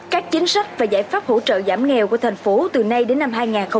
các chính sách và giải pháp hỗ trợ giảm nghèo của thành phố từ nay đến năm hai nghìn hai mươi